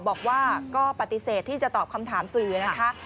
บอกว่าก็ปฏิเสธที่จะตอบคำถามสื่อนะคะ